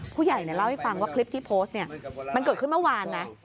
ผู้ใหญ่เล่าให้ฟังว่าคลิปที่โพสต์เนี่ยมันเกิดขึ้นเมื่อวานนะ